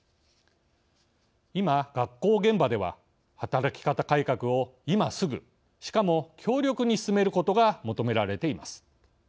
今学校現場では働き方改革を今すぐしかも強力に進めることが求められています。